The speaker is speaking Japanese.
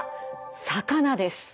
魚です。